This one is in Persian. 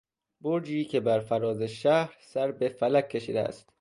برجی که برفراز شهر سر به فلک کشیده است